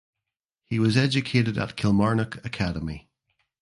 He was educated at Kilmarnock Academy.